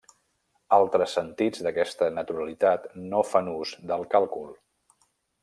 Altres sentits d'aquesta naturalitat no fan ús del càlcul.